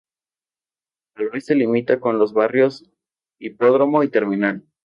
Al oeste limita con los barrios Hipódromo y Terminal.